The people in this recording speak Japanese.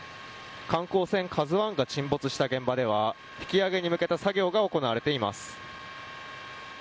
観光船「ＫＡＺＵ１」が沈没した現場では引き揚げに向けた作業が行われています。